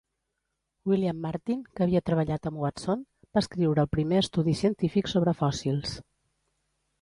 William Martin, que havia treballat amb Watson, va escriure el primer estudi científic sobre fòssils.